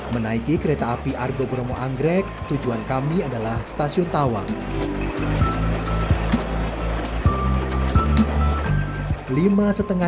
menaiki kereta api argo bromo anggrek tujuan kami adalah stasiun tawang